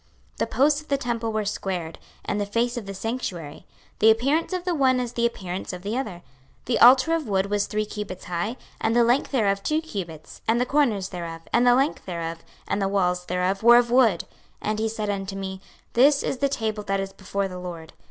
26:041:021 The posts of the temple were squared, and the face of the sanctuary; the appearance of the one as the appearance of the other. 26:041:022 The altar of wood was three cubits high, and the length thereof two cubits; and the corners thereof, and the length thereof, and the walls thereof, were of wood: and he said unto me, This is the table that is before the LORD.